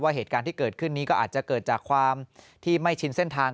เหตุการณ์ที่เกิดขึ้นนี้ก็อาจจะเกิดจากความที่ไม่ชินเส้นทาง